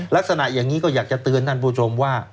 ลักษณะอย่างนี้ก็อยากจะเตือนท่านผู้ชมว่า